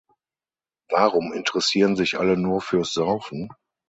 Warum interessieren sich alle nur fürs Saufen?